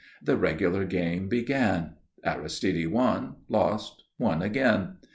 The regular game began. Aristide won, lost, won again.